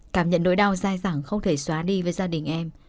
cảm nhận nỗi đau dai dẳng không thể xóa đi với gia đình em